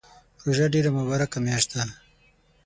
روژه ډیره مبارکه میاشت ده